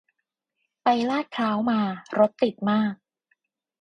ไปลาดพร้าวมา รถติดมาก